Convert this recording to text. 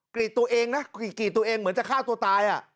กรีดตัวเองเหมือนจะฆ่าตัวตาย